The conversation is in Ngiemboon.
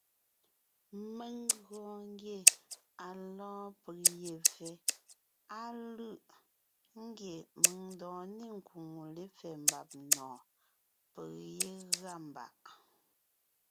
Mèŋ gɔɔn ngie à lɔ́ɔn peg ye pfɛ́, á lʉ̂ʼ ngie mèŋ ńdɔɔn ne ńkwóŋo lépfɛ́ mbàb nɔ̀ɔn, peg yé gʉa mbàʼ.